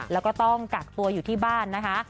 แล้วก็ต้องกักตัวอยู่ที่บ้านนะคะ